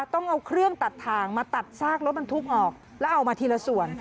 ต้องเอาเครื่องตัดทางมาตัดซากรถบรรทุกออกแล้วเอามาทีละส่วน